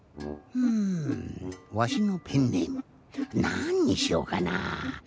ふんわしのペンネームなんにしようかな。